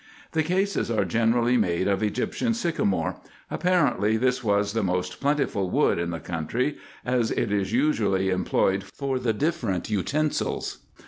The cases are generally made of Egyptian sycamore : apparently, this was the most plentiful wood in the country, as it is usually employed for the different utensils.